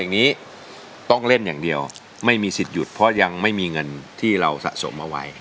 อย่างนี้ต้องเล่นอย่างเดียวไม่มีสิทธิ์หยุดเพราะยังไม่มีเงินที่เราสะสมเอาไว้